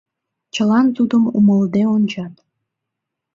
Чылан тудым умылыде ончат.